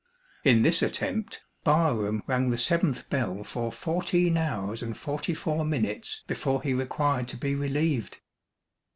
In this attempt, Barham rang the seventh bell for fourteen hours and forty four minutes before he required to be relieved.